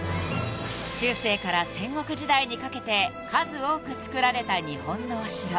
［中世から戦国時代にかけて数多くつくられた日本のお城］